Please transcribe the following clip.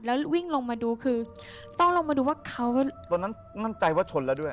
แล้ววิ่งลงมาดูคือต้องลงมาดูว่าเขาตอนนั้นมั่นใจว่าชนแล้วด้วย